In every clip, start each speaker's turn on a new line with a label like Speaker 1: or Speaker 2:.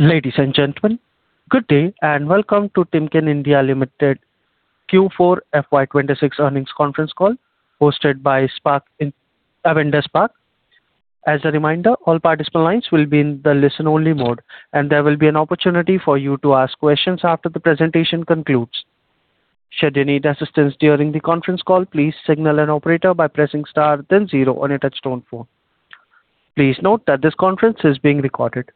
Speaker 1: Ladies and gentlemen, good day, and welcome to Timken India Limited Q4 FY 2026 Earnings Conference Call hosted by Avendus Spark. As a reminder, all participant lines will be in the listen-only mode, and there will be an opportunity for you to ask questions after the presentation concludes. Should you need assistance during the conference call, please signal an operator by pressing star then zero on your touch-tone phone. Please note that this conference is being recorded.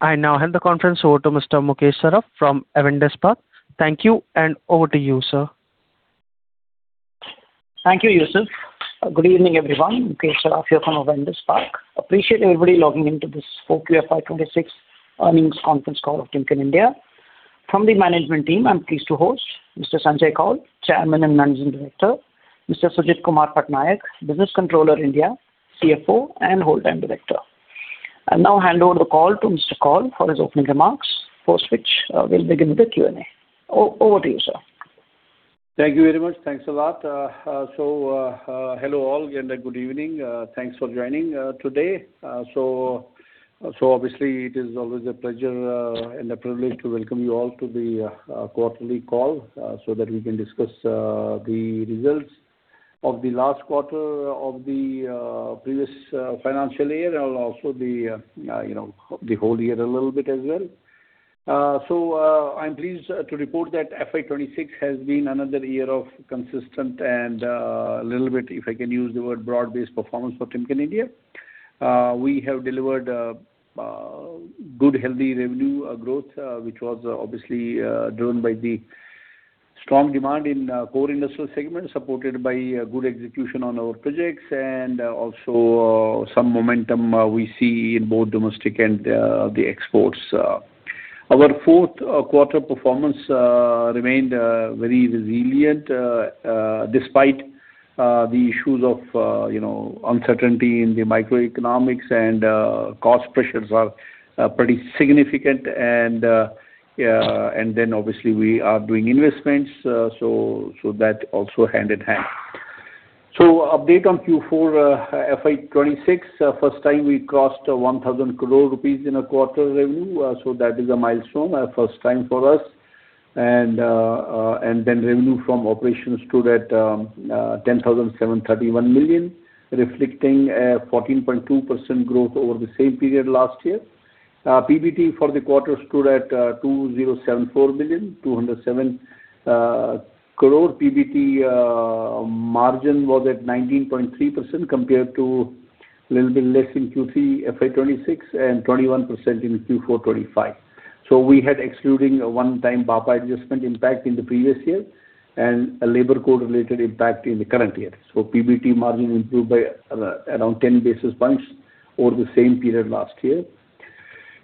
Speaker 1: I now hand the conference over to Mr. Mukesh Saraf from Avendus Spark. Thank you, and over to you, sir.
Speaker 2: Thank you, Yusuf. Good evening, everyone. Mukesh Saraf here from Avendus Spark. Appreciate everybody logging into this Q4 FY 2026 earnings conference call of Timken India. From the management team, I'm pleased to host Mr. Sanjay Koul, Chairman and Managing Director; Mr. Sujit Kumar Pattanaik, Business Controller India, CFO, and Whole Time Director. I now hand over the call to Mr. Koul for his opening remarks, post which, we'll begin with the Q&A. Over to you, sir.
Speaker 3: Thank you very much. Thanks a lot. Hello all, and good evening. Thanks for joining today. Obviously it is always a pleasure and a privilege to welcome you all to the quarterly call, so that we can discuss the results of the last quarter of the previous financial year, and also the, you know, the whole year a little bit as well. I'm pleased to report that FY 2026 has been another year of consistent and a little bit, if I can use the word broad-based performance for Timken India. We have delivered good, healthy revenue growth, which was obviously driven by the strong demand in core industrial segments, supported by good execution on our projects and also some momentum we see in both domestic and the exports. Our fourth quarter performance remained very resilient despite the issues of, you know, uncertainty in the microeconomics and cost pressures are pretty significant and then obviously we are doing investments, so that also hand in hand. Update on Q4 FY 2026. First time we crossed 1,000 crore rupees in a quarter revenue, so that is a milestone, first time for us. Revenue from operations stood at 10,731 million, reflecting a 14.2% growth over the same period last year. PBT for the quarter stood at 2,074 million, 207 crore. PBT margin was at 19.3% compared to little bit less in Q3 FY 2026 and 21% in Q4 FY 2025. We had excluding a one-time BAPI adjustment impact in the previous year and a labor code related impact in the current year. PBT margin improved by around 10 basis points over the same period last year.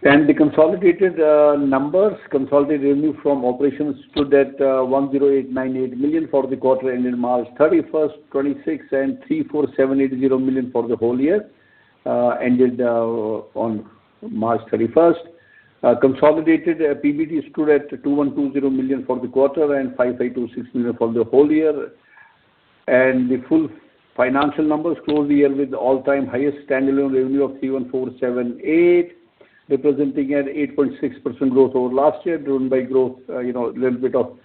Speaker 3: The consolidated numbers, consolidated revenue from operations stood at 10,898 million for the quarter ending March 31st, 2026 and 34,780 million for the whole year ended on March 31st. Consolidated PBT stood at 2,120 million for the quarter and 5,526 million for the whole year. The full financial numbers closed the year with all-time highest standalone revenue of 31,478 million, representing an 8.6% growth over last year, driven by growth, a little bit of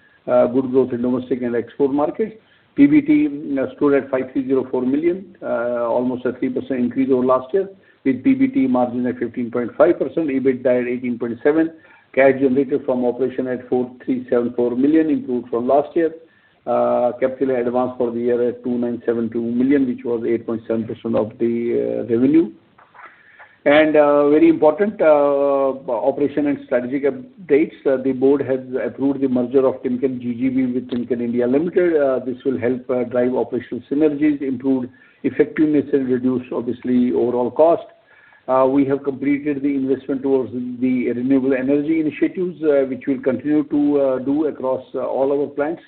Speaker 3: good growth in domestic and export markets. PBT stood at 5,304 million, almost a 3% increase over last year, with PBT margin at 15.5%, EBIT at 18.7%. Cash generated from operation at 4,374 million, improved from last year. Capital advance for the year at 2,972 million, which was 8.7% of the revenue. Very important operation and strategic updates. The board has approved the merger of Timken GGB with Timken India Limited. This will help drive operational synergies, improve effectiveness, and reduce obviously overall cost. We have completed the investment towards the renewable energy initiatives, which we'll continue to do across all our plants.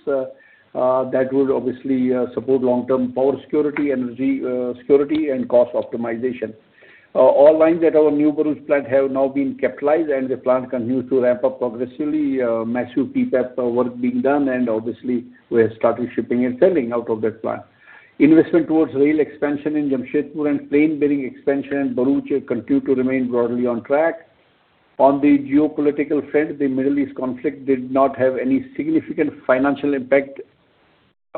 Speaker 3: That will obviously support long-term power security, energy security, and cost optimization. All lines at our new Bharuch plant have now been capitalized, and the plant continues to ramp up progressively. Massive PPAP work being done, and obviously we have started shipping and selling out of that plant. Investment towards rail expansion in Jamshedpur and plain bearing expansion in Bharuch continue to remain broadly on track. On the geopolitical front, the Middle East conflict did not have any significant financial impact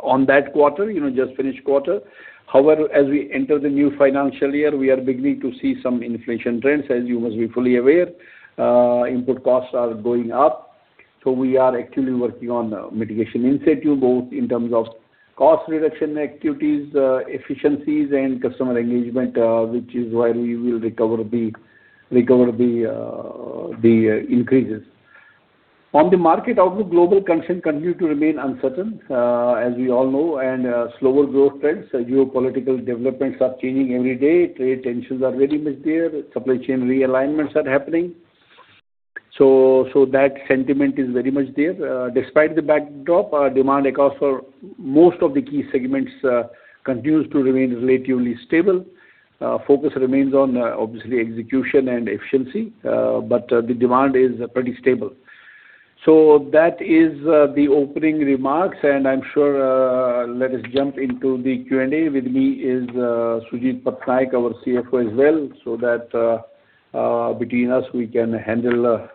Speaker 3: on that quarter, you know, just finished quarter. However, as we enter the new financial year, we are beginning to see some inflation trends, as you must be fully aware. Input costs are going up, so we are actively working on mitigation incentive, both in terms of cost reduction activities, efficiencies, and customer engagement, which is why we will recover the increases. On the market outlook, global condition continue to remain uncertain, as we all know, and slower growth trends. Geopolitical developments are changing every day. Trade tensions are very much there. Supply chain realignments are happening. That sentiment is very much there. Despite the backdrop, our demand across for most of the key segments, continues to remain relatively stable. Focus remains on obviously execution and efficiency, but the demand is pretty stable. That is the opening remarks, and I'm sure, let us jump into the Q&A. With me is Sujit Ji, our CFO as well, so that between us we can handle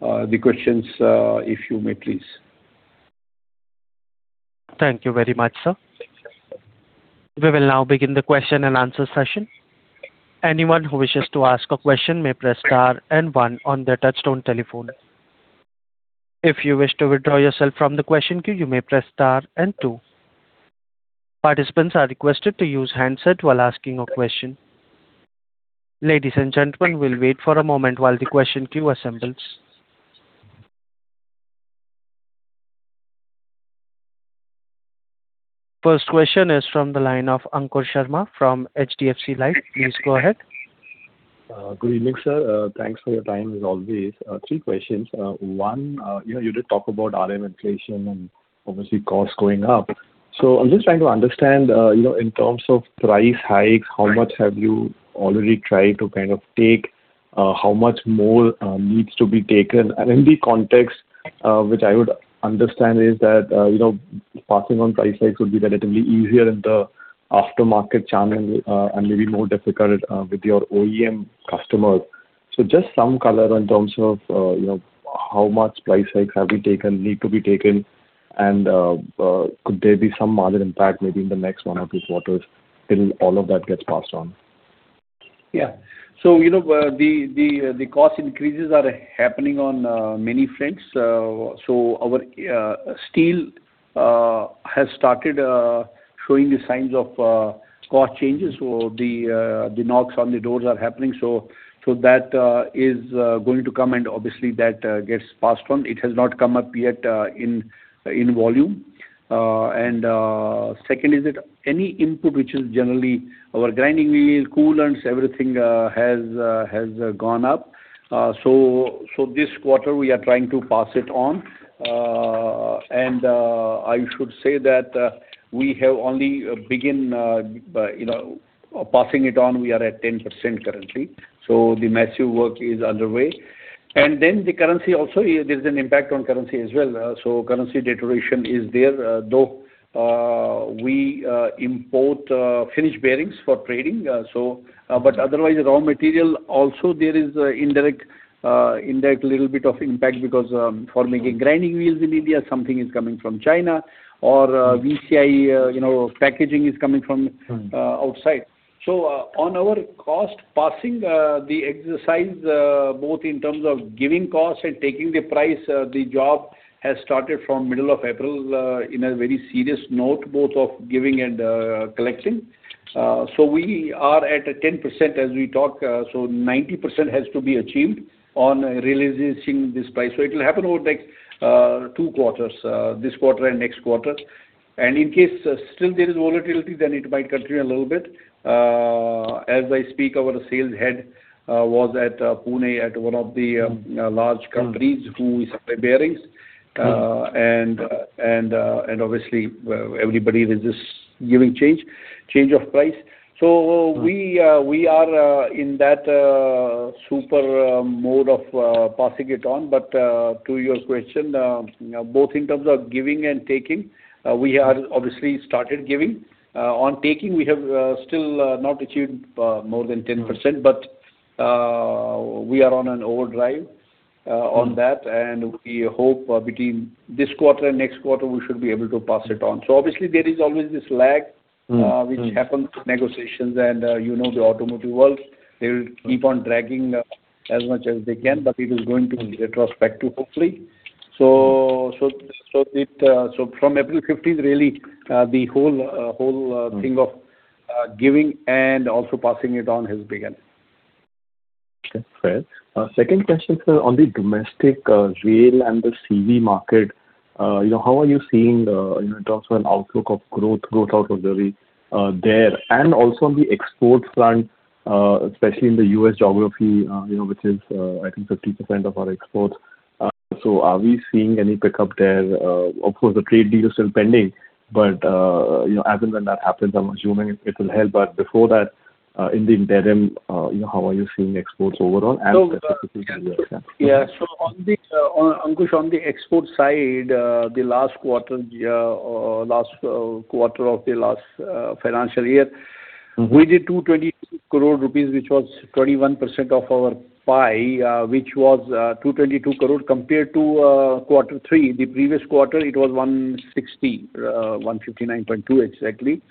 Speaker 3: the questions, if you may please.
Speaker 1: Thank you very much, sir. We will now begin the question and answer session. Anyone who wishes to ask a question may press star and one on their touchtone telephone. If you wish to withdraw yourself from the question queue, you may press star and two. Participants are requested to use handset while asking a question. Ladies and gentlemen, we will wait for a moment while the question queue assembles. First question is from the line of Ankur Sharma from HDFC Life. Please go ahead.
Speaker 4: Good evening, sir. Thanks for your time as always. Three questions. One, you know, you did talk about raw material inflation and obviously costs going up. I'm just trying to understand, you know, in terms of price hikes, how much have you already tried to kind of take? How much more needs to be taken? In the context, which I would understand is that, you know, passing on price hikes would be relatively easier in the aftermarket channel, and maybe more difficult with your OEM customers. Just some color in terms of, you know, how much price hikes have been taken, need to be taken, and could there be some margin impact maybe in the next one or two quarters till all of that gets passed on?
Speaker 3: Yeah. You know, the cost increases are happening on many fronts. Our steel has started showing the signs of cost changes. The knocks on the doors are happening. That is going to come, and obviously that gets passed on. It has not come up yet in volume. Second is that any input which is generally our grinding wheels, coolants, everything has gone up. This quarter we are trying to pass it on. I should say that we have only begin, you know, passing it on, we are at 10% currently. The massive work is underway. The currency also, there is an impact on currency as well. Currency deterioration is there, though we import finished bearings for trading. Otherwise, raw material also there is an indirect little bit of impact because for making grinding wheels in India something is coming from China or VCI, you know, packaging is coming from outside. On our cost passing, the exercise, both in terms of giving cost and taking the price, the job has started from middle of April, in a very serious note, both of giving and collecting. We are at a 10% as we talk, so 90% has to be achieved on realizing this price. It will happen over like two quarters, this quarter and next quarter. In case still there is volatility, then it might continue a little bit. As I speak, our sales head, was at Pune at one of the large companies who supply bearings. Obviously, everybody is just giving change of price. We are in that super mode of passing it on. But, to your question, both in terms of giving and taking, we have obviously started giving. On taking, we have still not achieved more than 10%, but we are on an overdrive on that, and we hope between this quarter and next quarter we should be able to pass it on. Obviously there is always this lag.
Speaker 4: Mm-hmm, mm-hmm
Speaker 3: Which happens with negotiations. You know the automotive world, they will keep on dragging as much as they can, but it is going to be retrospective hopefully. From April 15th really, the whole thing of giving and also passing it on has begun.
Speaker 4: Okay. Fair. Second question, sir, on the domestic rail and the CV market, you know, how are you seeing, you know, in terms of an outlook of growth opportunity there? Also on the export front, especially in the U.S. geography, you know, which is, I think 50% of our exports. Are we seeing any pickup there? Of course, the trade deal is still pending, but, you know, as and when that happens, I'm assuming it will help. Before that, in the interim, you know, how are you seeing exports overall and specifically to U.S.? Yeah.
Speaker 3: Yeah. Ankur, on the export side, the last quarter, or last quarter of the last financial year. We did 222 crore rupees which was 21% of our pie, which was 222 crore compared to quarter three. The previous quarter it was 160, 159.2 exactly.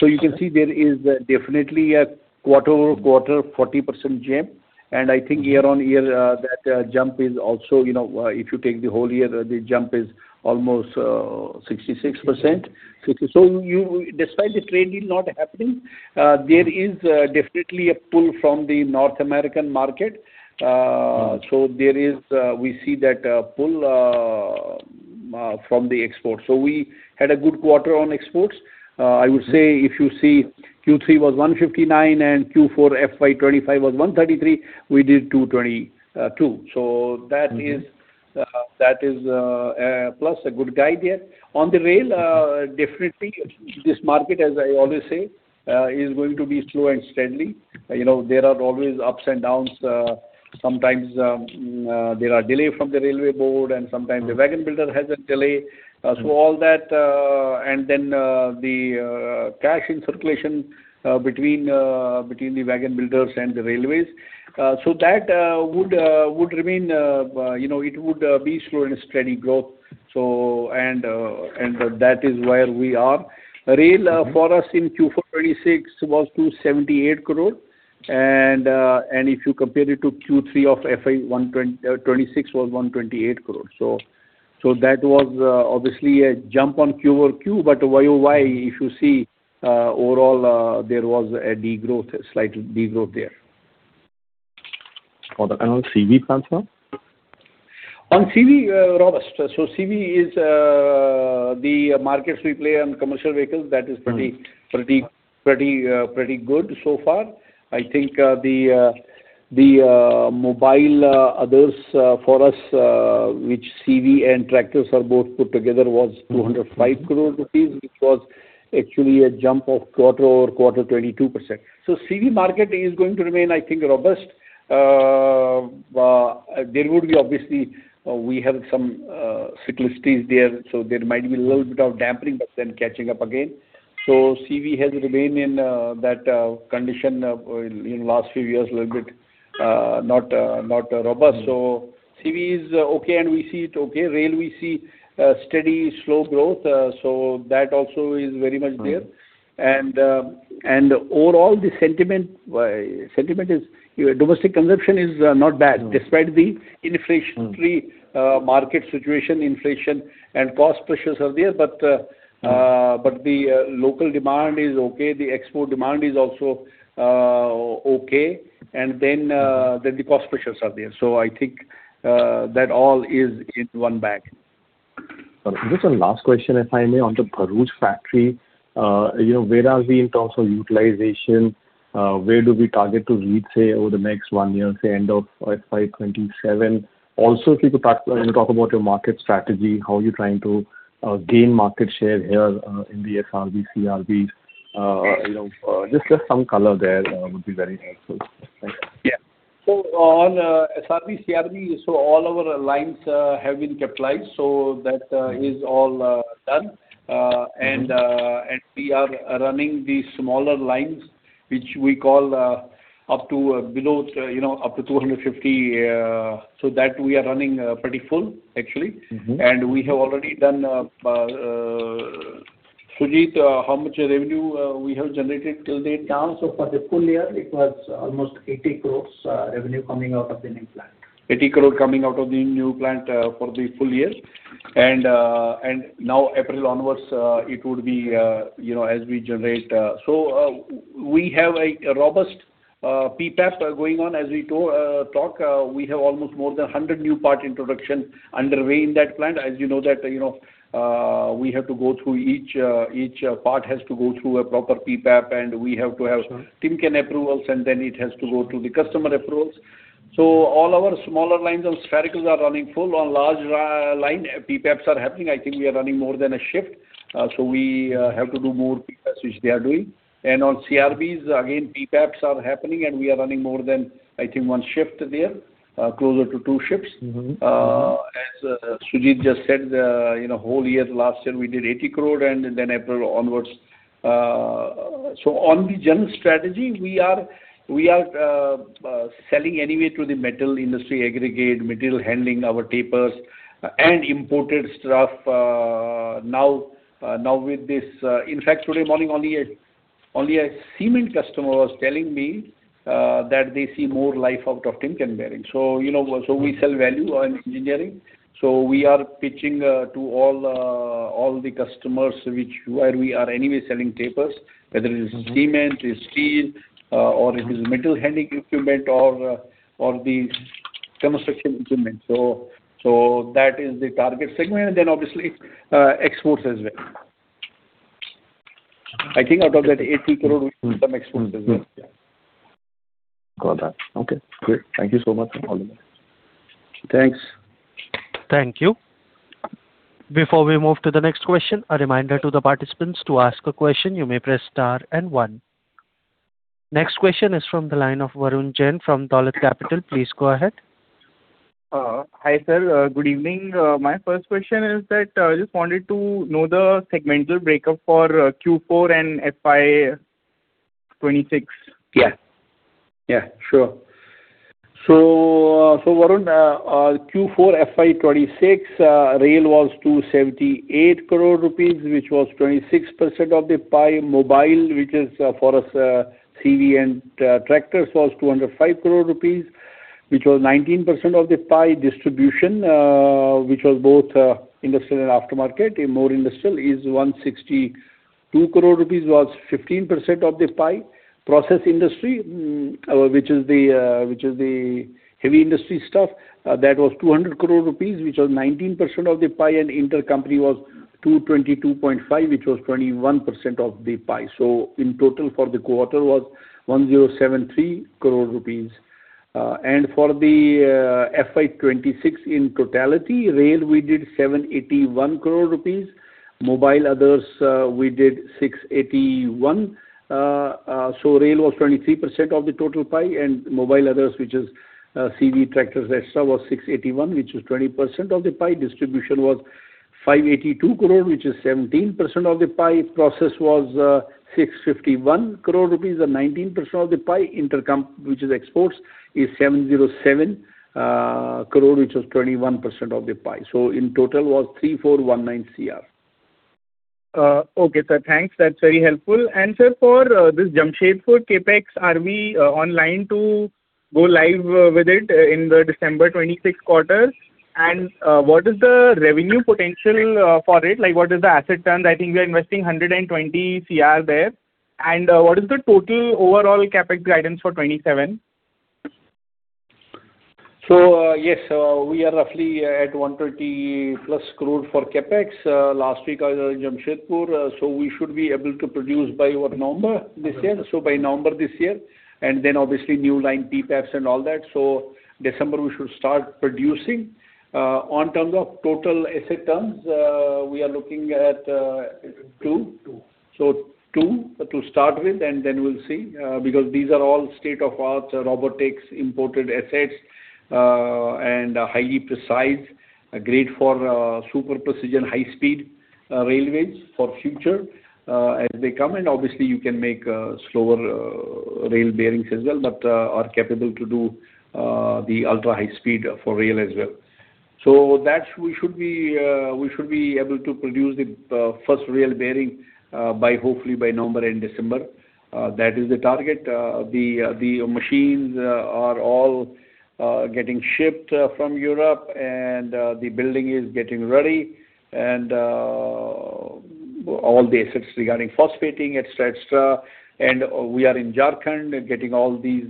Speaker 3: So, you can see there is definitely a quarter-over-quarter 40% jump. I think year-on-year, that jump is also, you know, if you take the whole year, the jump is almost 66%. You, despite this trade deal not happening, there is definitely a pull from the North American market. There is, we see that pull from the export. We had a good quarter on exports. I would say if you see Q3 was 159 and Q4 FY 2025 was 133, we did 222. That is, plus a good guide here. On the rail, definitely this market, as I always say, is going to be slow and steady. You know, there are always ups and downs. Sometimes, there are delay from the railway board, and sometimes the wagon builder has a delay. All that, and then, the cash in circulation, between the wagon builders and the railways. That would remain, you know, it would be slow and steady growth. And that is where we are. For us in Q4 2026 was 278 crore. If you compare it to Q3 of FY 2026 was 128 crore. That was obviously a jump on QoQ. YoY, if you see, overall, there was a degrowth, a slight degrowth there.
Speaker 4: For the annual CV transfer?
Speaker 3: On CV, robust. CV is the markets we play on commercial vehicles. Pretty good so far. I think, the, mobile, others, for us, which CV and tractors are both put together was 205 crore rupees, which was actually a jump of quarter-over-quarter 22%. CV market is going to remain, I think, robust. There would be obviously, we have some cyclicity there, so there might be a little bit of dampening, but then catching up again. CV has remained in, that, condition, in last few years a little bit, not robust. CV is okay, and we see it okay. Rail, we see a steady slow growth. That also is very much there. Overall the sentiment is domestic consumption is not bad despite the inflationary market situation. Inflation and cost pressures are there. The local demand is okay. The export demand is also okay. The cost pressures are there. I think that all is in one bag.
Speaker 4: Just one last question, if I may, on the Bharuch factory. You know, where are we in terms of utilization? Where do we target to reach, say, over the next one year, say end of FY 2027? Also, if you could talk about your market strategy, how you're trying to gain market share here, in the SRB, CRBs. You know, just some color there would be very helpful. Thank you.
Speaker 3: Yeah. On SRB, CRB, so all our lines have been kept live. That is all done. We are running the smaller lines, which we call, up to below, you know, up to 250, that we are running pretty full actually. We have already done, Sujit, how much revenue we have generated till date?
Speaker 5: Sir, for the full year it was almost 80 crores, revenue coming out of the new plant.
Speaker 3: 80 crore coming out of the new plant for the full year. Now April onwards, it would be, you know, as we generate. We have a robust PPAP going on as we talk. We have almost more than 100 new part introduction underway in that plant. As you know that, you know, we have to go through each part has to go through a proper PPAP. Timken approvals, then it has to go through the customer approvals. All our smaller lines of sphericals are running full. On large line, PPAPs are happening. I think we are running more than a shift, we have to do more PPAPs, which they are doing. On CRBs, again, PPAPs are happening, we are running more than I think one shift there, closer to two shifts. As Sujit just said, you know, whole year last year we did 80 crore and then April onwards. So on the general strategy we are selling anyway to the metal industry aggregate, material handling our tapers and imported stuff. Now with this, in fact today morning only a cement customer was telling me that they see more life out of Timken bearing. You know, we sell value on engineering. We are pitching to all the customers which where we are anyway selling tapers. Whether it is cement, is steel, or it is metal handling equipment or the construction equipment. That is the target segment. Then obviously, exports as well. I think out of that 80 crore we did some exports as well. Yeah.
Speaker 4: Got that. Okay, great. Thank you so much.
Speaker 3: Thanks.
Speaker 1: Thank you. Before we move to the next question, a reminder to the participants, to ask a question you may press star and one. Next question is from the line of Varun Jain from Dolat Capital. Please go ahead.
Speaker 6: Hi sir. Good evening. My first question is that I just wanted to know the segmental breakup for Q4 and FY 2026.
Speaker 3: Yeah, sure. Varun, Q4 FY 2026, rail was 278 crore rupees, which was 26% of the pie. Mobile, which is for us, CV and tractors, was 205 crore rupees, which was 19% of the pie. Distribution, which was both industrial and aftermarket. More industrial is 162 crore rupees, was 15% of the pie. Process industry, which is the heavy industry stuff, that was 200 crore rupees, which was 19% of the pie. Intercompany was 222.5 crore, which was 21% of the pie. In total for the quarter was 1,073 crore rupees. For the FY 2026 in totality, rail we did 781 crore rupees. Mobile others, we did 681 crore. Rail was 23% of the total pie and mobile others, which is CV tractors, et cetera, was INR 681 crore, which was 20% of the pie. Distribution was 582 crore, which is 17% of the pie. Process was 651 crore rupees or 19% of the pie. Intercompany, which is exports, is 707 crore, which was 21% of the pie. In total was 3,419 CR.
Speaker 6: Okay, sir. Thanks. That's very helpful. Sir, for this Jamshedpur CapEx, are we online to go live with it in the December 2026 quarter? What is the revenue potential for it? Like, what is the asset turn? I think we are investing 120 crore there. What is the total overall CapEx guidance for 2027?
Speaker 3: Yes, we are roughly at 120 plus crore for CapEx. Last week I was in Jamshedpur, so we should be able to produce by what, November this year?
Speaker 5: By November this year, and then obviously new line PPAPs and all that. December we should start producing. On terms of total asset turns, we are looking at two? Two to start with and then we'll see. Because these are all state-of-the-art robotics imported assets and highly precise. Great for super precision, high speed, railways for future as they come in. Obviously, you can make slower rail bearings as well, but are capable to do the ultra-high speed for rail as well. We should be able to produce the first rail bearing hopefully by November and December. That is the target. The machines are all getting shipped from Europe and the building is getting ready and all the assets regarding phosphating, et cetera, et cetera. We are in Jharkhand getting all these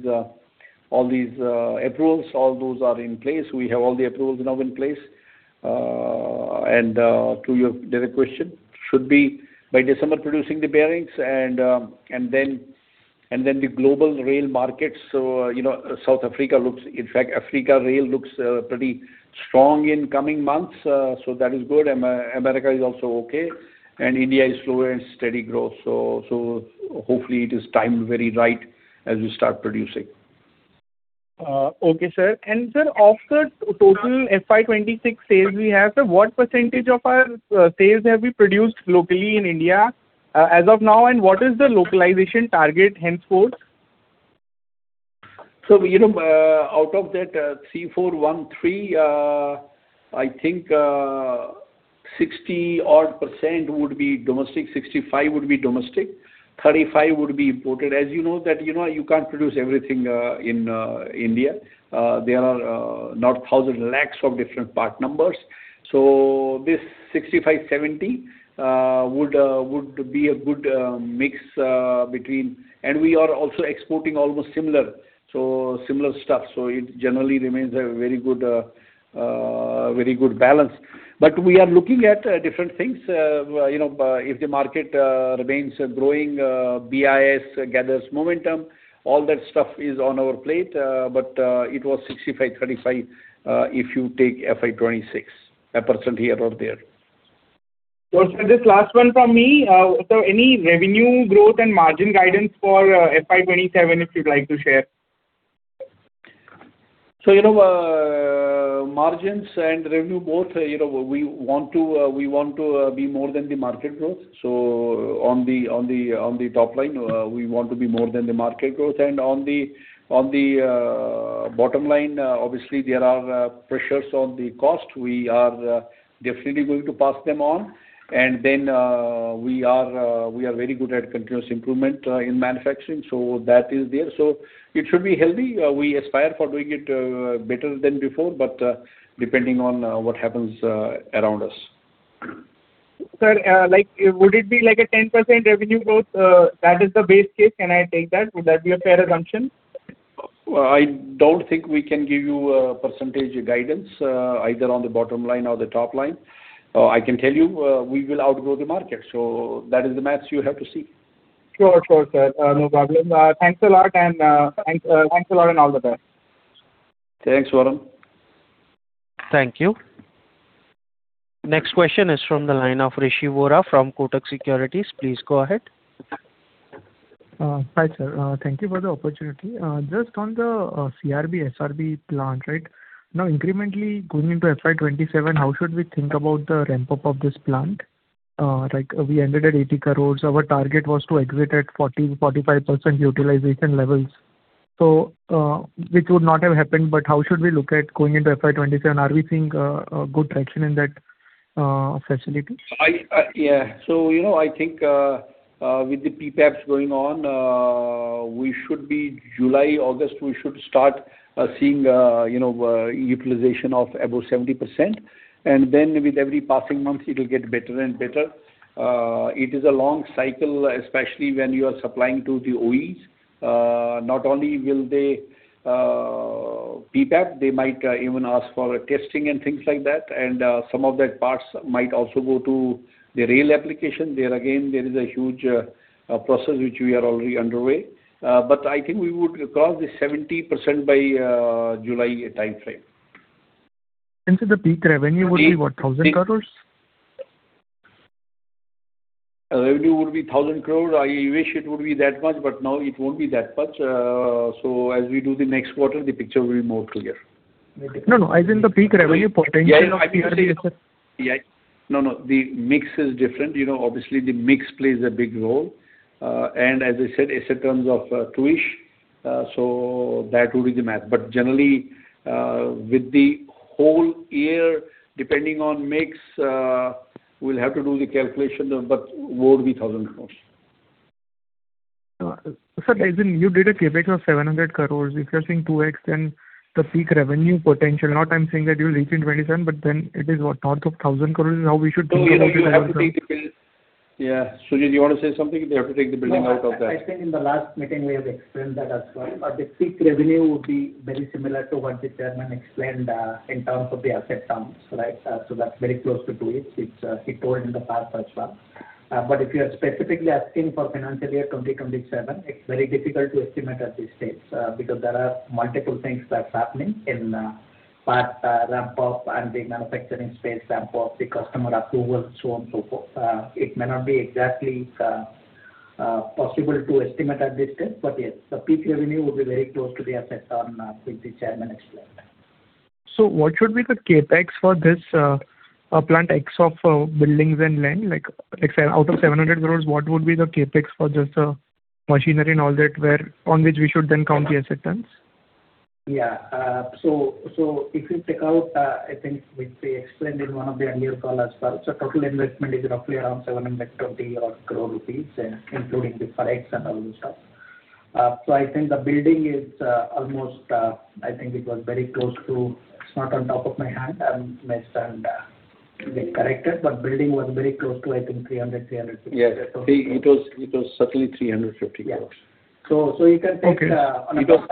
Speaker 5: approvals. All those are in place. We have all the approvals now in place.
Speaker 3: To your direct question, should be by December producing the bearings and then the global rail markets. You know, South Africa looks In fact, Africa Rail looks pretty strong in coming months, so that is good. America is also okay. India is slow and steady growth. Hopefully it is timed very right as we start producing.
Speaker 6: Okay, sir. Sir, of the total FY 2026 sales we have, sir, what percentage of our sales have we produced locally in India, as of now, and what is the localization target henceforth?
Speaker 3: You know, out of that, 3,413, I think, 60% odd would be domestic, 65% would be domestic, 35% would be imported. As you know that, you know, you can't produce everything in India. There are not 1,000 lakhs of different part numbers. This 65%/70% would be a good mix. We are also exporting almost similar stuff. It generally remains a very good balance. We are looking at different things. You know, if the market remains growing, BIS gathers momentum, all that stuff is on our plate. It was 65%/35%, if you take FY 2026, a percent here or there.
Speaker 6: Well, sir, this is last one from me. Any revenue growth and margin guidance for FY 2027, if you'd like to share?
Speaker 3: You know, margins and revenue growth, you know, we want to be more than the market growth. On the top line, we want to be more than the market growth. On the bottom line, obviously there are pressures on the cost. We are definitely going to pass them on. Then, we are very good at continuous improvement in manufacturing, so that is there. It should be healthy. We aspire for doing it better than before, but depending on what happens around us.
Speaker 6: Sir, like would it be like a 10% revenue growth? That is the base case. Can I take that? Would that be a fair assumption?
Speaker 3: I don't think we can give you a percentage guidance, either on the bottom line or the top line. I can tell you, we will outgrow the market. That is the math you have to see.
Speaker 6: Sure. Sure, sir. No problem. Thanks a lot and thanks a lot and all the best.
Speaker 3: Thanks, Varun.
Speaker 1: Thank you. Next question is from the line of Rishi Vora from Kotak Securities. Please go ahead.
Speaker 7: Hi sir. Thank you for the opportunity. Just on the CRB, SRB plant, right? Now incrementally going into FY 2027, how should we think about the ramp-up of this plant? Like we ended at 80 crores. Our target was to exit at 40%-45% utilization levels. Which would not have happened, but how should we look at going into FY 2027? Are we seeing a good traction in that facilities?
Speaker 3: I, yeah. You know, I think, with the PPAPs going on, we should be July, August, we should start seeing, you know, utilization of above 70%. Then with every passing month it will get better and better. It is a long cycle, especially when you are supplying to the OEs. Not only will they PPAP, they might even ask for testing and things like that. Some of that parts might also go to the rail application. There again, there is a huge process which we are already underway. I think we would cross the 70% by July timeframe.
Speaker 7: The peak revenue would be what, 1,000 crores?
Speaker 3: Revenue would be 1,000 crore. I wish it would be that much, but now it won't be that much. As we do the next quarter, the picture will be more clear.
Speaker 7: No, no. As in the peak revenue potential.
Speaker 3: Yeah, I know.
Speaker 7: Would be how much, sir?
Speaker 3: Yeah. No, no. The mix is different. You know, obviously the mix plays a big role. As I said, it's in terms of, twoish, so that will be the math. Generally, with the whole year, depending on mix, we'll have to do the calculation, but would be 1,000 crores.
Speaker 7: Sir, as in you did a CapEx of 700 crores. If you're saying 2 times, the peak revenue potential, not I'm saying that you'll reach in 2027, but it is what? North of 1,000 crores is how we should think about the revenue growth.
Speaker 3: No, you have to take the bill. Yeah. Sujit, you want to say something? They have to take the billing out of that.
Speaker 5: No. I think in the last meeting we have explained that as well. The peak revenue would be very similar to what the chairman explained in terms of the asset terms, right? That's very close to twoish, which he told in the past as well. If you are specifically asking for financial year 2027, it's very difficult to estimate at this stage because there are multiple things that's happening in part ramp up and the manufacturing space ramp up, the customer approval, so on and so forth. It may not be exactly possible to estimate at this stage. Yes, the peak revenue will be very close to the asset term, which the chairman explained.
Speaker 7: What should be the CapEx for this plant X of buildings and land? Out of 700 crore, what would be the CapEx for just the machinery and all that on which we should then count the asset terms?
Speaker 5: If you take out, I think which we explained in one of the earlier call as well. Total investment is roughly around 720 odd crore, including the Forex and all the stuff. I think the building is almost, I think it was very close to It's not on top of my head. I might stand to be corrected, but building was very close to I think 300-350 crore.
Speaker 3: Yes. It was certainly 350 crores.
Speaker 5: Yeah. You can take. It was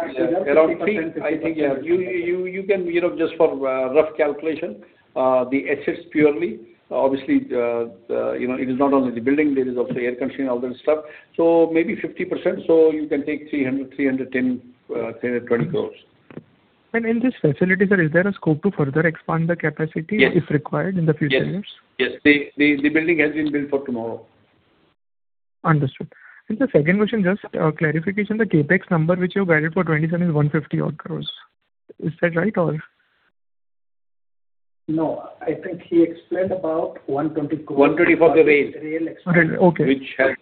Speaker 5: around 3 crores. I think you can, you know, just for rough calculation, the assets purely, obviously the, you know, it is not only the building, there is also air conditioning, all that stuff. Maybe 50%, you can take 300, 310, 320 crores.
Speaker 7: In this facility, sir, is there a scope to further expand the capacity? If required in the future years?
Speaker 3: Yes. Yes. The building has been built for tomorrow.
Speaker 7: Understood. The second question, just a clarification, the CapEx number which you guided for FY 2027 is 150 odd crores. Is that right or?
Speaker 5: No. I think he explained about 120 crore.
Speaker 3: 120 for the rail.
Speaker 5: For the rail expansion.
Speaker 7: Okay.
Speaker 3: Which has.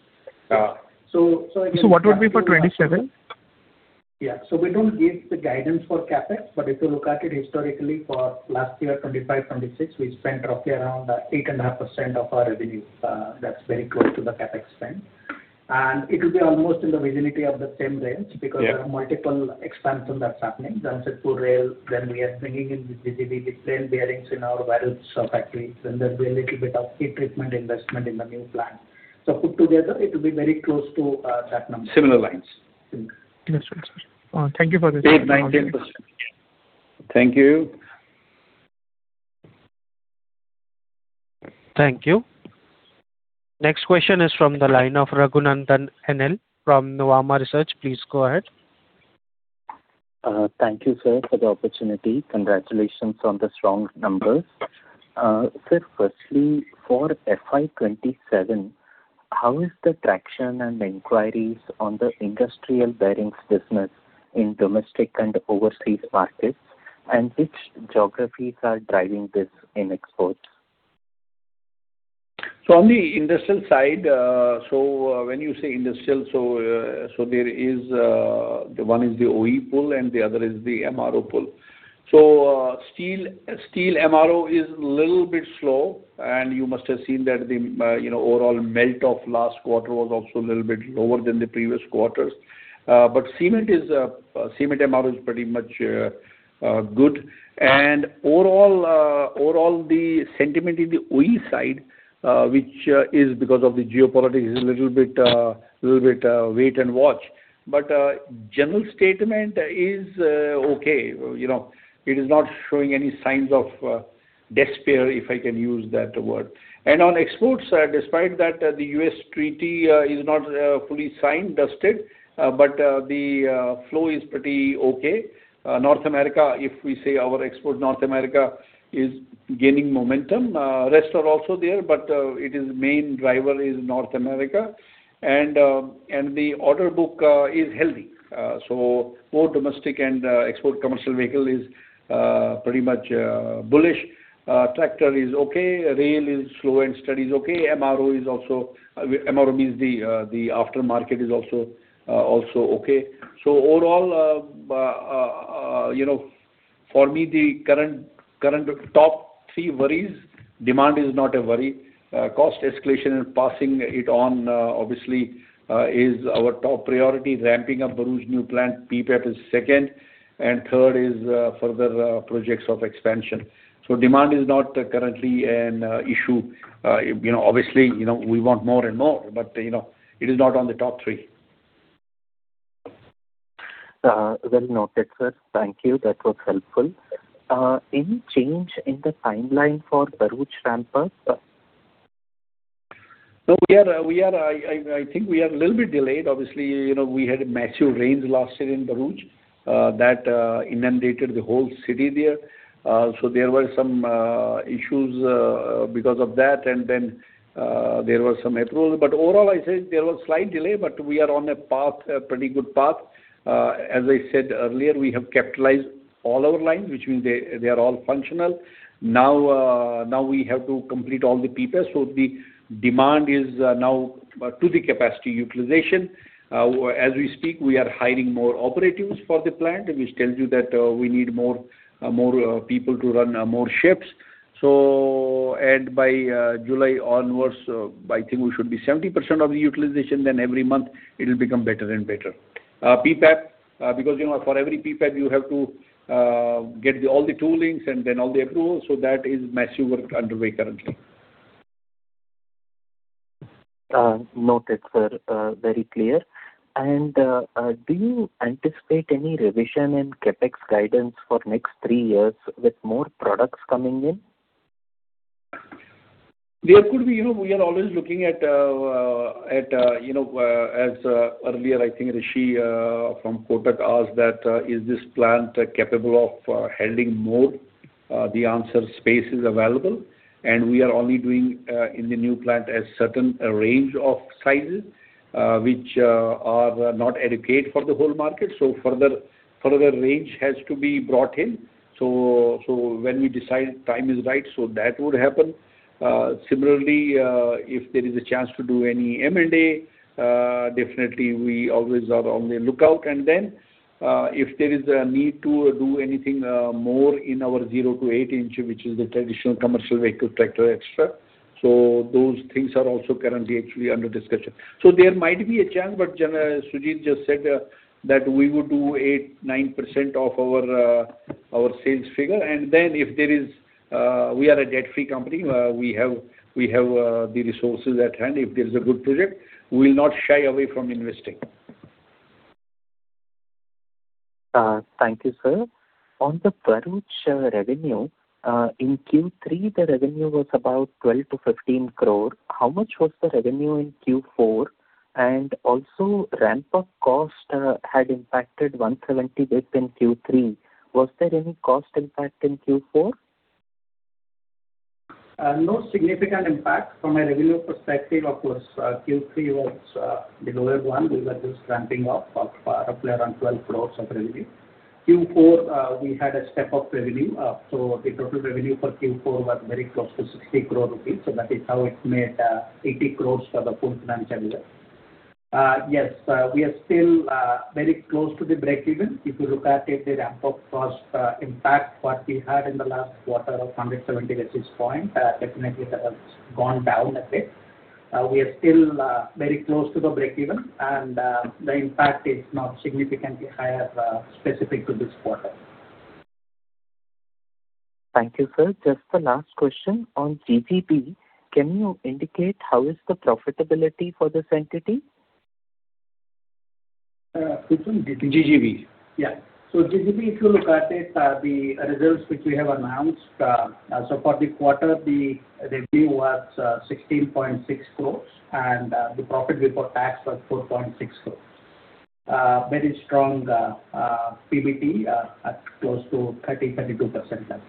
Speaker 5: If you-
Speaker 7: What would be for 2027?
Speaker 5: Yeah. We don't give the guidance for CapEx, but if you look at it historically for last year, 2025/2026, we spent roughly around 8.5% of our revenue. That's very close to the CapEx spend. It will be almost in the vicinity of the same range.
Speaker 3: Yeah.
Speaker 5: There are multiple expansion that's happening. Jamshedpur to rail, then we are bringing in the train bearings in our Bharuch factory, then there'll be a little bit of heat treatment investment in the new plant. Put together, it will be very close to that number.
Speaker 3: Similar lines.
Speaker 5: Yes.
Speaker 7: Understood, sir. Thank you for this.
Speaker 5: 8%, 9%, 10%.
Speaker 3: Thank you.
Speaker 1: Thank you. Next question is from the line of Raghunandhan NL from Nuvama Research. Please go ahead.
Speaker 8: Thank you, sir, for the opportunity. Congratulations on the strong numbers. Sir, firstly, for FY 2027, how is the traction and inquiries on the industrial bearings business in domestic and overseas markets? Which geographies are driving this in export?
Speaker 3: On the industrial side, when you say industrial, there is one is the OE pool and the other is the MRO pool. Steel MRO is little bit slow, and you must have seen that the, you know, overall melt of last quarter was also a little bit lower than the previous quarters. Cement is cement MRO is pretty much good. Overall, overall the sentiment in the OE side, which is because of the geopolitics is a little bit wait and watch. General statement is okay. You know, it is not showing any signs of despair, if I can use that word. On exports, despite that the U.S. treaty is not fully signed as yet, the flow is pretty okay. North America, if we say our export North America is gaining momentum. Rest are also there, but it is main driver is North America. The order book is healthy. So both domestic and export commercial vehicle is pretty much bullish. Tractor is okay. Rail is slow and steady is okay. MRO means the aftermarket is also okay. Overall, you know, for me, the current top three worries, demand is not a worry. Cost escalation and passing it on, obviously, is our top priority. Ramping up Bharuch new plant, PPAP is second, and third is further projects of expansion. Demand is not currently an issue. You know, obviously, you know, we want more and more, but, you know, it is not on the top three.
Speaker 8: well noted, sir. Thank you. That was helpful. any change in the timeline for Bharuch ramp up?
Speaker 3: No, we are, I think we are a little bit delayed. Obviously, you know, we had massive rains last year in Bharuch that inundated the whole city there. There were some issues because of that. There were some approvals. Overall, I say there was slight delay, but we are on a path, a pretty good path. As I said earlier, we have capitalized all our lines, which means they are all functional. Now, we have to complete all the PPAP. The demand is now to the capacity utilization. As we speak, we are hiring more operatives for the plant, which tells you that we need more people to run more shifts. By July onwards, I think we should be 70% of the utilization. Every month it'll become better and better. PPAP, because, you know, for every PPAP you have to get the all the toolings and then all the approvals. That is massive work underway currently.
Speaker 8: Noted, sir. Very clear. Do you anticipate any revision in CapEx guidance for next three years with more products coming in?
Speaker 3: There could be. You know, we are always looking at, you know, as earlier I think Rishi from Kotak asked that, is this plant capable of handling more? The answer, space is available. We are only doing in the new plant a certain range of sizes, which are not adequate for the whole market. Further range has to be brought in. When we decide time is right, that would happen. If there is a chance to do any M&A, definitely we always are on the lookout. If there is a need to do anything, more in our zero to eight inch, which is the traditional commercial vehicle tractor, et cetera. Those things are also currently actually under discussion. There might be a chance, but Sujit just said that we would do 8%, of our sales figure. If there is, we are a debt-free company. We have the resources at hand. If there's a good project, we'll not shy away from investing.
Speaker 8: Thank you, sir. On the Bharuch revenue, in Q3 the revenue was about 12 crore-15 crore. How much was the revenue in Q4? Also ramp-up cost had impacted 170 bit in Q3. Was there any cost impact in Q4?
Speaker 5: No significant impact from a revenue perspective. Of course, Q3 was the lower one. We were just ramping up of around 12 crores of revenue. Q4, we had a step up revenue. The total revenue for Q4 was very close to 60 crores rupees. That is how it made 80 crores for the full financial year. Yes, we are still very close to the breakeven. If you look at it, the ramp-up cost impact what we had in the last quarter of 170 basis points, definitely that has gone down a bit. We are still very close to the breakeven and the impact is not significantly higher specific to this quarter.
Speaker 8: Thank you, sir. Just the last question on GGB. Can you indicate how is the profitability for this entity?
Speaker 5: Which one? GGB?
Speaker 8: GGB.
Speaker 5: Yeah. GGB, if you look at it, the results which we have announced, so for the quarter the revenue was 16.6 crores and the profit before tax was 4.6 crores. Very strong PBT at close to 30%-32%.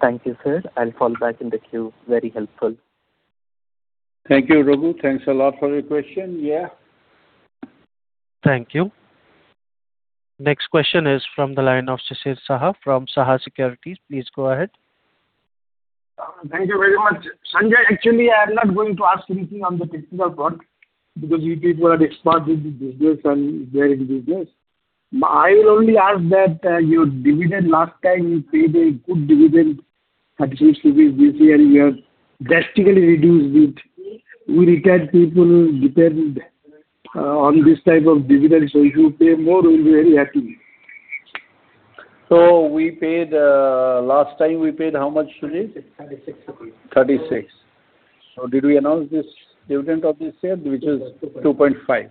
Speaker 8: Thank you, sir. I'll fall back in the queue. Very helpful.
Speaker 3: Thank you, Raghu. Thanks a lot for your question. Yeah.
Speaker 1: Thank you. Next question is from the line of Shishir Saha from Saha Securities. Please go ahead.
Speaker 9: Thank you very much. Sanjay, actually, I am not going to ask anything on the technical part because you people are expert with the business and very good business. I will only ask that your dividend last time you paid a good dividend, INR 36. This year you have drastically reduced it. We retired people depend on this type of dividend. If you pay more we'll be very happy.
Speaker 3: We paid, last time we paid how much, Sujit?
Speaker 5: 36.
Speaker 3: INR 36. Did we announce this dividend of this year, which is 2.5?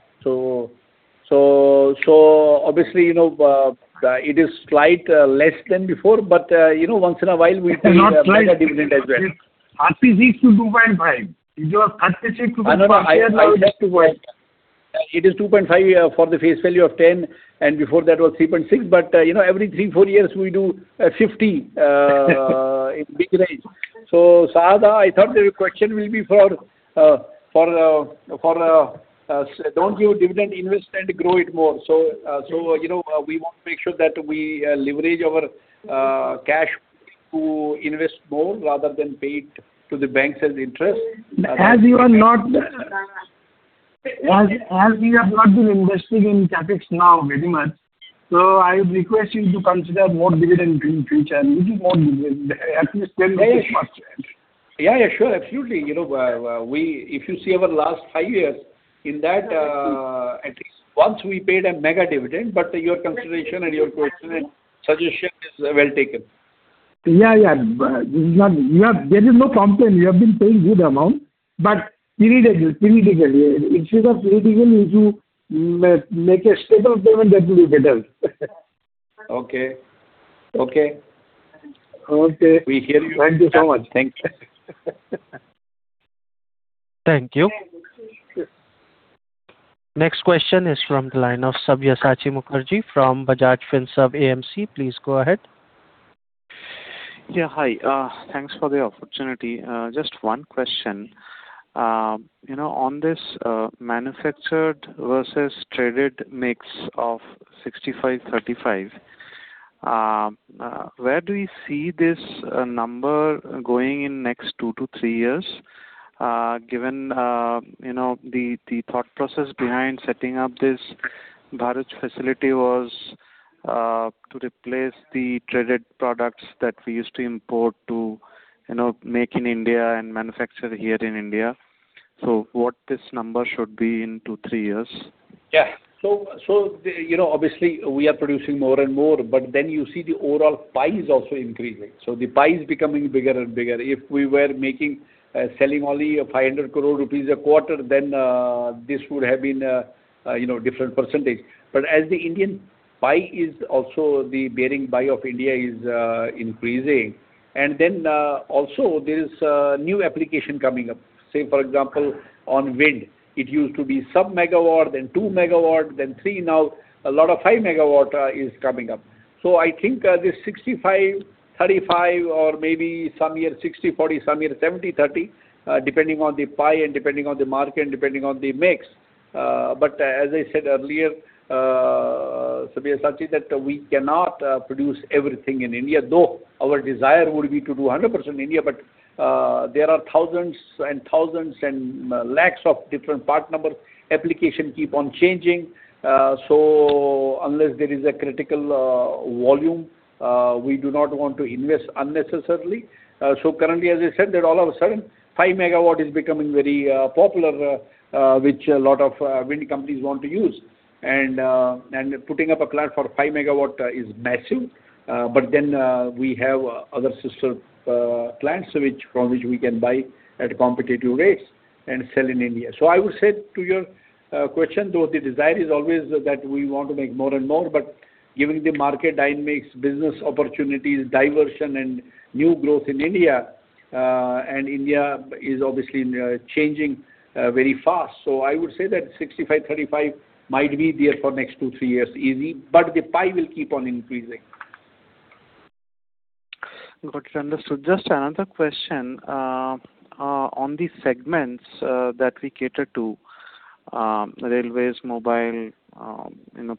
Speaker 3: Obviously, you know, it is slight less than before, but, you know, once in a while we pay a higher dividend as well.
Speaker 9: It's not slight. It's Rupees is 2.5. If your INR 36 per share now it's-
Speaker 3: I know. I have to wait. It is 2.5 for the face value of 10, and before that was 3.6. You know, every three, four years we do 50 in big range. Shishir, I thought your question will be for don't do dividend invest and grow it more. You know, we want to make sure that we leverage our cash to invest more rather than pay it to the banks as interest.
Speaker 9: As we have not been investing in CapEx now very much, I would request you to consider more dividend in future and little more dividend. At least 10%-15%.
Speaker 3: Yeah, yeah, sure. Absolutely. You know, if you see our last five years, in that, Once we paid a mega dividend, but your consideration and your question and suggestion is well taken.
Speaker 9: Yeah, yeah. There is no complaint. You have been paying good amount, but periodically. Instead of periodically, if you make a stable payment, that will be better.
Speaker 3: Okay. Okay.
Speaker 9: Okay.
Speaker 3: We hear you.
Speaker 9: Thank you so much.
Speaker 3: Thanks.
Speaker 1: Thank you. Next question is from the line of Sabyasachi Mukherjee from Bajaj Finserv AMC. Please go ahead.
Speaker 10: Yeah. Hi. Thanks for the opportunity. Just one question. You know, on this manufactured versus traded mix of 65%/35%, where do we see this number going in next two to three years? Given, you know, the thought process behind setting up this Bharat facility was to replace the traded products that we used to import to, you know, make in India and manufacture here in India. What this number should be in two, three years?
Speaker 3: You know, obviously we are producing more and more, but then you see the overall pie is also increasing. The pie is becoming bigger and bigger. If we were making, selling only 500 crore rupees a quarter then, this would have been, you know, different percentage. As the Indian pie is also the bearing pie of India is increasing. Then, also there is new application coming up. Say, for example, on wind. It used to be sub megawatt, then 2 MW, then three. Now, a lot of 5 MW is coming up. I think, this 65%/35% or maybe some year 60%/40%, some year 70%/30%, depending on the pie and depending on the market, depending on the mix. As I said earlier, Sabyasachi, that we cannot produce everything in India, though our desire would be to do 100% India. There are thousands and thousands and lakhs of different part numbers. Application keep on changing. Unless there is a critical volume, we do not want to invest unnecessarily. Currently, as I said, that all of a sudden 5 MW is becoming very popular, which a lot of wind companies want to use. Putting up a plant for 5 MW is massive. We have other sister plants which, from which we can buy at competitive rates and sell in India. I would say to your question, though the desire is always that we want to make more and more, but given the market dynamics, business opportunities, diversion and new growth in India, and India is obviously, you know, changing very fast. I would say that 65%/35% might be there for next two, three years easy, but the pie will keep on increasing.
Speaker 10: Got it. Understood. Just another question. On the segments that we cater to, railways, mobile,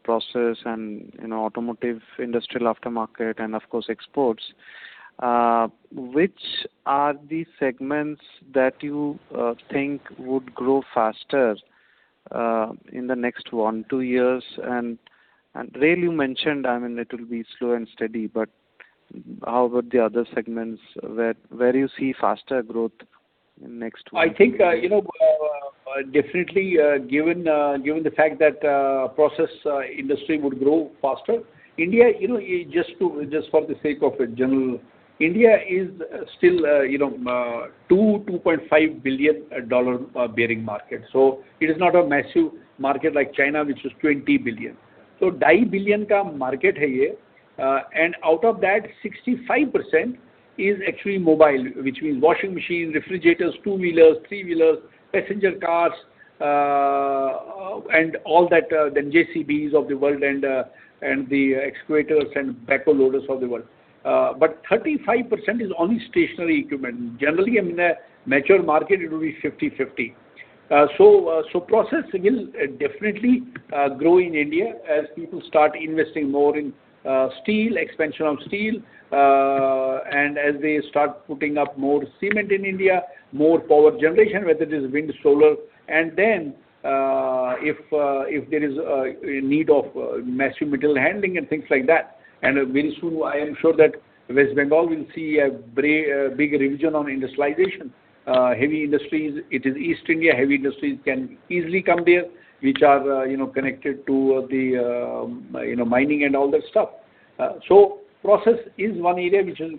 Speaker 10: process and automotive, industrial aftermarket, and of course, exports. Which are the segments that you think would grow faster in the next one, two years? Rail you mentioned, it will be slow and steady, but how about the other segments? Where you see faster growth in next one, two years?
Speaker 3: I think, you know, definitely, given the fact that process industry would grow faster. India, you know, just for the sake of it, general, India is still, you know, a $2.5 billion bearing market. It is not a massive market like China, which is $20 billion. $2.5 billion market. Out of that 65% is actually mobile, which means washing machine, refrigerators, two wheelers, three wheelers, passenger cars, and all that, then JCB of the world and the excavators and backhoe loaders of the world. 35% is only stationary equipment. Generally, I mean, a mature market, it will be 50/50. Process will definitely grow in India as people start investing more in steel, expansion of steel, and as they start putting up more cement in India, more power generation, whether it is wind, solar. If there is a need of massive material handling and things like that. Very soon, I am sure that West Bengal will see a big revision on industrialization. Heavy industries, it is East India, heavy industries can easily come there, which are, you know, connected to the, you know, mining and all that stuff. Process is one area which is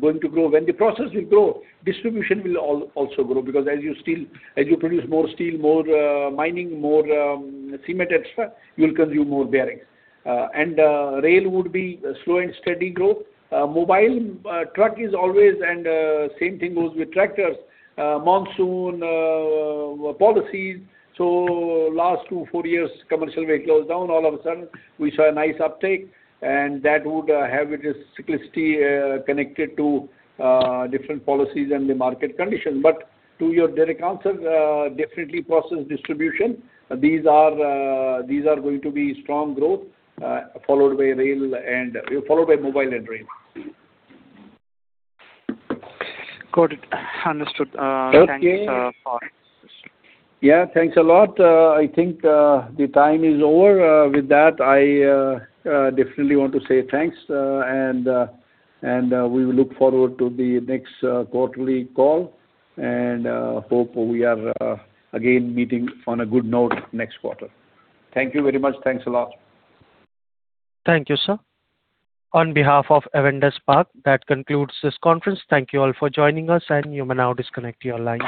Speaker 3: going to grow. When the process will grow, distribution will also grow because as you steel, as you produce more steel, more mining, more cement, et cetera, you will consume more bearings. Rail would be slow and steady growth. Mobile, truck is always and same thing goes with tractors. Monsoon policies. Last 2 years-4 years, commercial vehicle was down. All of a sudden, we saw a nice uptake, and that would have its cyclicity connected to different policies and the market condition. To your direct answer, definitely process distribution. These are going to be strong growth followed by mobile and rail.
Speaker 10: Got it. Understood.
Speaker 3: Okay.
Speaker 10: Thanks for this.
Speaker 3: Yeah. Thanks a lot. I think the time is over. With that, I definitely want to say thanks, and, we look forward to the next quarterly call and hope we are again meeting on a good note next quarter. Thank you very much. Thanks a lot.
Speaker 1: Thank you, sir. On behalf of Avendus Spark, that concludes this conference. Thank you all for joining us, and you may now disconnect your lines.